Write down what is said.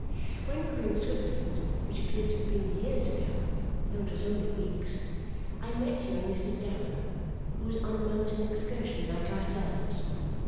When we were in Switzerland, which appears to have been years ago, though it was only weeks, I met young Mrs Gowan, who was on a mountain excursion like ourselves.